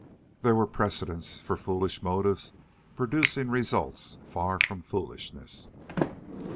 There were precedents for foolish motives producing results far from foolishness.